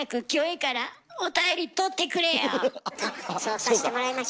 そうさせてもらいましょ。